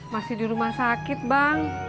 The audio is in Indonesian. masih di rumah sakit bang